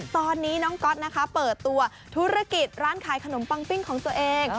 ตอนนี้น้องก๊อตนะคะเปิดตัวธุรกิจร้านขายขนมปังปิ้งของตัวเอง